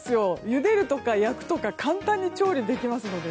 ゆでるとか、焼くとか簡単に調理できますので。